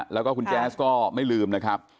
แล้วก็คุณแจ๊สก็ไม่ลืมนะครับ